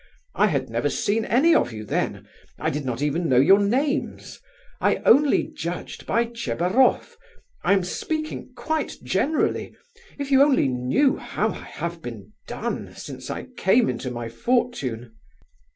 I had never seen any of you then; I did not even know your names; I only judged by Tchebaroff; I am speaking quite generally—if you only knew how I have been 'done' since I came into my fortune!"